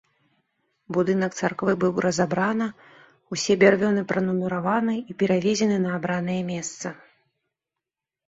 Будынак царквы быў разабрана, усе бярвёны пранумараваны і перавезены на абранае месца.